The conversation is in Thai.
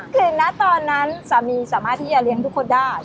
คือนะตอนนั้นสามีสามารถที่จะเลี้ยงทุกคนได้